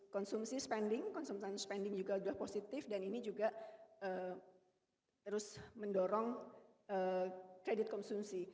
konsumsi spending konsumsi spending juga sudah positif dan ini juga terus mendorong kredit konsumsi